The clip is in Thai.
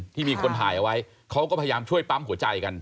ที่มีคนถ่ายเอาไว้เขาก็พยายามช่วยปั๊มหัวใจกัน